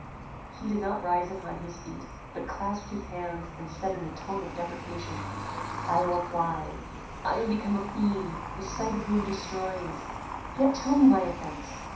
He did not rise upon his feet, but clasped his hands, and said in a tone of deprecation "I will fly. I am become a fiend, the sight of whom destroys. Yet tell me my offence!